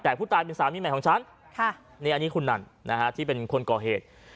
แต่ผู้ตายเป็นสามีใหม่ของฉันนี่อันนี้คุณนั่นนะฮะที่เป็นคนก่อเหตุ